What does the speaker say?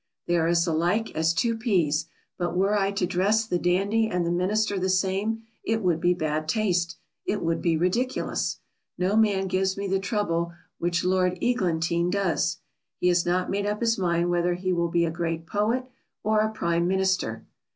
They are as like as two peas, but were I to dress the dandy and the minister the same, it would be bad taste it would be ridiculous. No man gives me the trouble which Lord Eglantine does; he has not made up his mind whether he will be a great poet or a Prime Minister.